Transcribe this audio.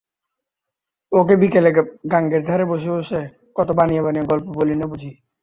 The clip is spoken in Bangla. ওকে বিকেলে গাঙের ধারে বসে বসে কত বানিয়ে বানিয়ে গল্প বলিনে বুঝি?